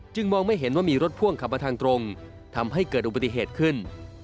มองไม่เห็นว่ามีรถพ่วงขับมาทางตรงทำให้เกิดอุบัติเหตุขึ้น